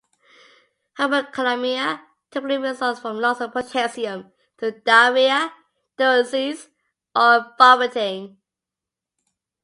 Hypokalemia typically results from loss of potassium through diarrhea, diuresis, or vomiting.